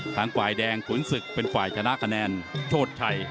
ทางฝ่ายแดงขุนศึกเป็นฝ่ายชนะคะแนนโชชัย